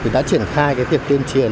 đã triển khai việc tiên truyền